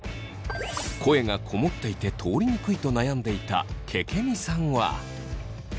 声がこもっていて通りにくいと悩んでいたけけみさんは。